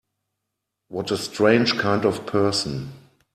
What a strange kind of person!